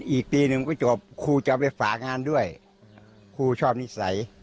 อีกปีหนึ่งก็จบครูจะเอาไปฝากงานด้วยครูชอบนิสัย